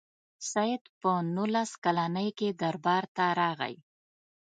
سید په نولس کلني کې دربار ته راغی.